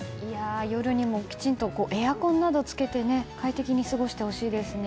夜にもきちんとエアコンなどをつけて快適に過ごしてほしいですね。